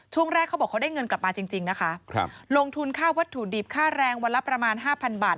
ช่วงแรกเขาบอกเขาได้เงินกลับมาจริงนะคะลงทุนค่าวัตถุดิบค่าแรงวันละประมาณห้าพันบาท